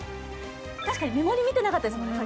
確かに目盛り見てなかったですもんね